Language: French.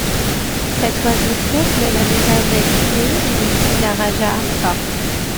Cet oiseau peuple la Nouvelle-Guinée et les îles Raja Ampat.